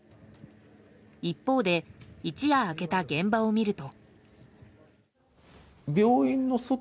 一方で一夜明けた現場を見ると。